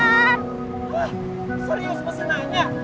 hah serius mesti nanya